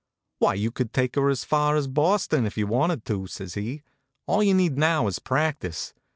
"Why, you could take her as far as Boston, if you wanted to, says he. * All you need now is practice.